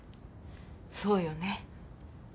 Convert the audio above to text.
そうよね。